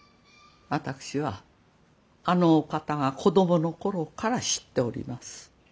私はあのお方が子供の頃から知っております。